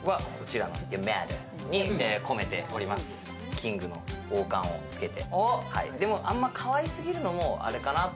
キングの王冠をつけて。